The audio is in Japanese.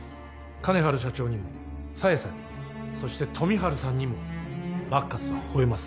金治社長にも紗英さんにもそして富治さんにもバッカスは吠えます。